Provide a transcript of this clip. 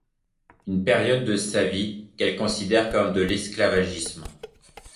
Une période de sa vie qu'elle considère comme de l'esclavagisme.